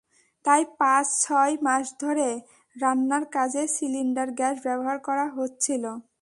তাই পাঁচ-ছয় মাস ধরে রান্নার কাজে সিলিন্ডার গ্যাস ব্যবহার করা হচ্ছিল।